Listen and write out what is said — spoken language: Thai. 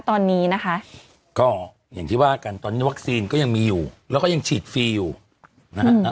ตอนนี้นะคะก็อย่างที่ว่ากันตอนนี้วัคซีนก็ยังมีอยู่แล้วก็ยังฉีดฟรีอยู่นะฮะ